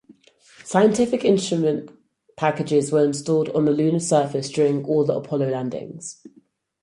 Scientific instrument packages were installed on the lunar surface during all the Apollo landings.